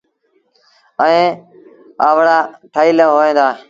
ائيٚݩ اَوآڙآ ٺهيٚل هوئيݩ دآ۔